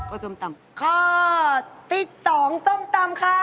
ข้อที่๒ส้มตำค่ะ